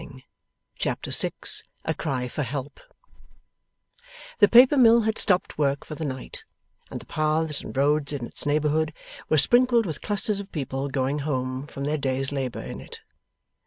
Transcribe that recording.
Chapter 6 A CRY FOR HELP The Paper Mill had stopped work for the night, and the paths and roads in its neighbourhood were sprinkled with clusters of people going home from their day's labour in it.